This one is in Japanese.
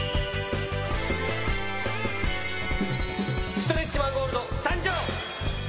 ストレッチマン・ゴールドさんじょう！